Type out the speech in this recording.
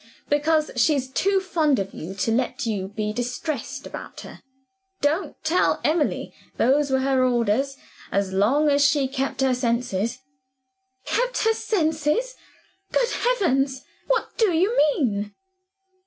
"Because she's too fond of you to let you be distressed about her. 'Don't tell Emily'; those were her orders, as long as she kept her senses." "Kept her senses? Good heavens! what do you mean?"